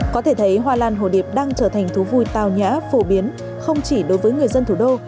có thể thấy hoa lan hồ điệp đang trở thành thú vui tào nhã phổ biến không chỉ đối với người dân thủ đô